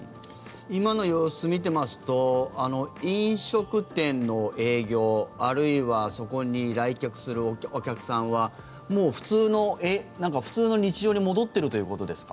今の様子を見てますと飲食店の営業あるいはそこに来客するお客さんはもう普通の日常に戻ってるということですか？